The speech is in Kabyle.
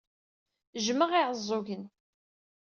Jjmeɣ Iɛeẓẓugen.